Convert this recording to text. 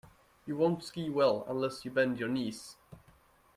You won't ski well unless you bend your knees